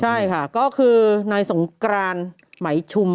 ใช่ค่ะก็คือนายสงกรานไหมชุม